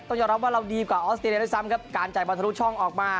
ต้องยอมรับว่าเราดีกว่าออสเตรเลียด้วยซ้ำครับการจ่ายบอลทะลุช่องออกมา